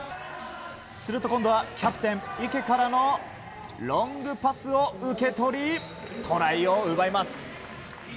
すると今度はキャプテン、池からのロングパスを受け取りトライを奪います。